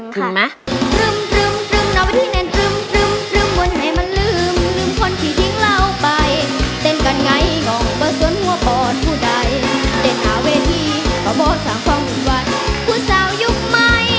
ถึงค่ะถึงไหม